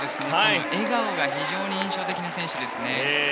笑顔が非常に印象的な選手ですね。